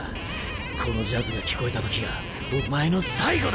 このジャズが聴こえたときがお前の最後だ！